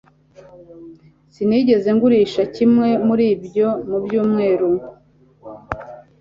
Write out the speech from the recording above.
Sinigeze ngurisha kimwe muri ibyo mu byumweru